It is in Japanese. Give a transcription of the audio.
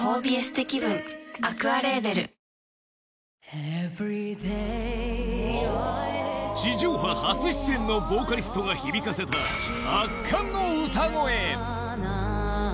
Ｅｖｅｒｙｄａｙ 地上波初出演のボーカリストが響かせた圧巻の歌声